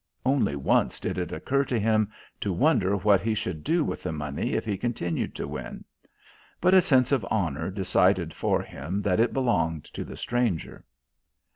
Only once did it occur to him to wonder what he should do with the money if he continued to win. But a sense of honour decided for him that it belonged to the stranger.